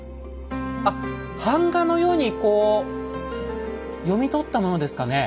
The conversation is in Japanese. あっ版画のようにこう読み取ったものですかね。